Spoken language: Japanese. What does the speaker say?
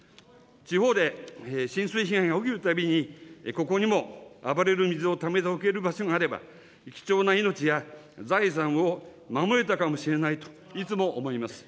地方で浸水被害が起きるたびに、ここにも暴れる水をためておける場所があれば、貴重な命や財産を守れたかもしれないといつも思います。